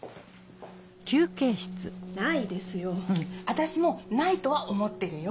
私もないとは思ってるよ。